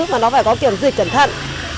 mà nó phải có kiểm dịch trần thận